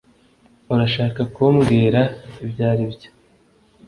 urashaka kumbwira ibyo aribyo